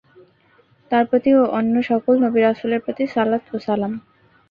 তাঁর প্রতি ও অন্য সকল নবী-রাসূলের প্রতি সালাত ও সালাম।